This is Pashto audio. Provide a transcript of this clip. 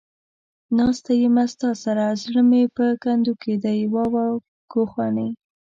ناسته يمه ستا سره ، زړه مې په کندو کې دى ، واوا گوخانې.